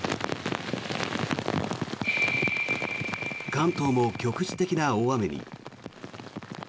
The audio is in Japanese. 関東も局地的な大雨に。